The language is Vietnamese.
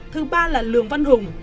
thứ ba là lương văn hùng